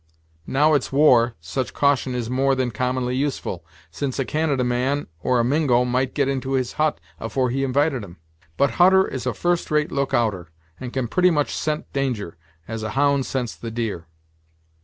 Now it's war, such caution is more than commonly useful, since a Canada man or a Mingo might get into his hut afore he invited 'em. But Hutter is a first rate look outer, and can pretty much scent danger, as a hound scents the deer."